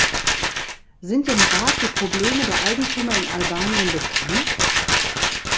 Sind dem Rat die Probleme der Eigentümer in Albanien bekannt?